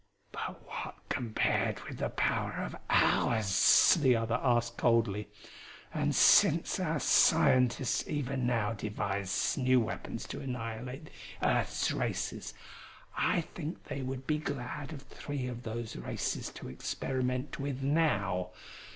"But what compared with the power of ours?" the other asked coldly. "And since our scientists even now devise new weapons to annihilate the earth's races, I think they would be glad of three of those races to experiment with now.